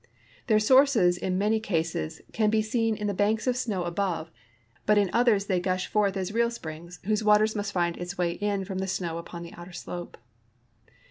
Their sources in many cases can be seen in the banks of snow above, but in others they gush forth as real springs whose water must find its way in from the snow upon the outer slope.